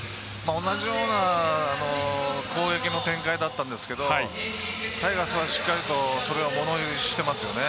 同じような攻撃の展開だったんですけどタイガースはしっかりとそれをものにしてますよね。